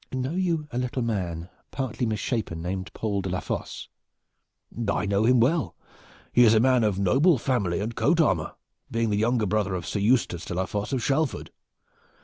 "Know you a little man, partly misshapen, named Paul de la Fosse?" "I know him well. He is a man of noble family and coat armor, being the younger brother of Sir Eustace de la Fosse of Shalford.